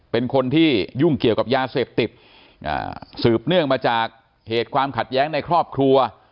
เป็นคนที่ยุ่งเกี่ยวกับยาเสพติดสืบเนื่องมาจากเหตุความขัดแย้งในครอบครัว